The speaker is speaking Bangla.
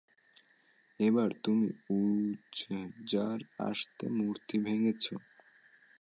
এবার তুমি উযযার আসল মূর্তি ভেঙ্গেছ।